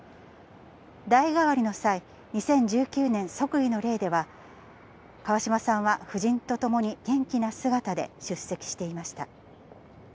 代替わりの際、２０１９年即位の礼では、川嶋さんは夫人と共に元気な姿で出席していました。